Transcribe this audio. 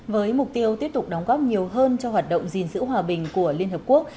với mục tiêu tiếp tục đóng góp nhiều hơn cho hoạt động gìn giữ hòa bình của liên hợp quốc